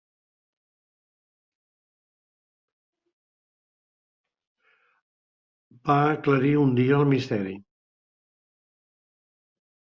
Va aclarir un dia el misteri.